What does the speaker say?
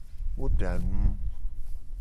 Wo da nu.